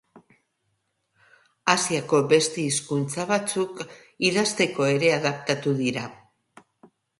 Asiako beste hizkuntza batzuk idazteko ere adaptatu dira.